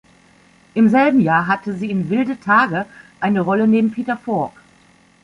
Im selben Jahr hatte sie in "Wilde Tage" eine Rolle neben Peter Falk.